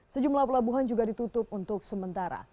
sejumlah pelabuhan juga ditutup untuk sementara